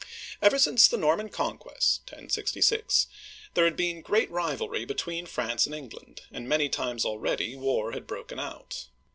Ever since the Norman Conquest (1066), there had been sreat rivalry between France and England, and many already war had broken out.